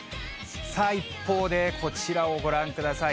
さあ、一方でこちらをご覧ください。